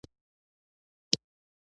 زه څه مرسته کولای سم.